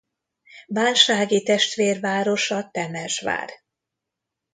Bánsági testvérvárosa Temesvár.